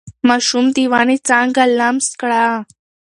ماشوم د ونې څانګه لمس کړه.